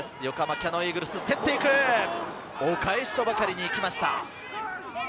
キヤノンイーグルス、お返しとばかりに行きました。